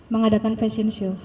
mengadakan fashion show